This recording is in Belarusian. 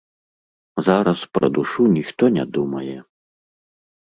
Зараз пра душу ніхто не думае.